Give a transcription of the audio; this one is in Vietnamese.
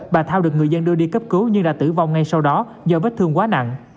bà thao được người dân đưa đi cấp cứu nhưng đã tử vong ngay sau đó do vết thương quá nặng